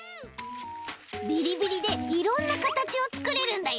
ビリビリでいろんなかたちをつくれるんだよ！